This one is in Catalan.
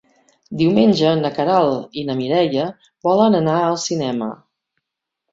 Diumenge na Queralt i na Mireia volen anar al cinema.